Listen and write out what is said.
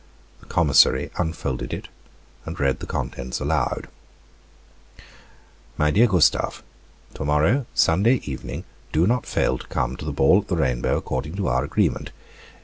The commissary unfolded it and read the contents aloud: "My dear Gustave, To morrow, Sunday evening, do not fail to come to the ball at the Rainbow, according to our agreement.